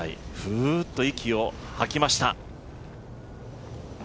フーッと息を吐きました。